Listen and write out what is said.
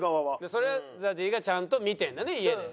それはＺＡＺＹがちゃんと見てんだね家で。